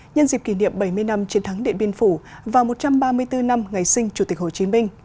nhân dịp kỷ niệm bảy mươi năm chiến thắng điện biên phủ và một trăm ba mươi bốn năm ngày sinh chủ tịch hồ chí minh